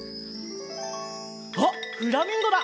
あっフラミンゴだ！